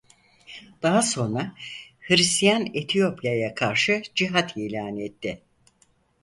Daha sonra Hristiyan Etiyopya'ya karşı cihad ilan etti.